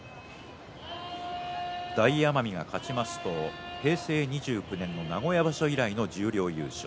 大奄美が勝ちますと平成２９年の名古屋場所以来の十両優勝。